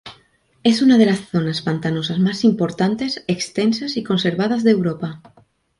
Es una de las zonas pantanosas más importantes, extensas y conservadas de Europa.